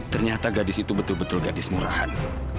ternyata gadis itu betul betul gadis murahan